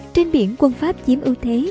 trên biển quân pháp chiếm ưu thế